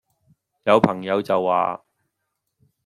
有朋友就話